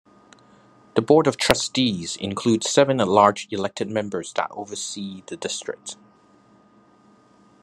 The Board of Trustees includes seven at-large elected members that oversee the district.